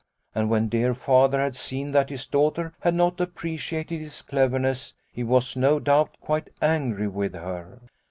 And when dear Father had seen that his daughter had not appreciated his cleverness, he was, no doubt, quite angry with her.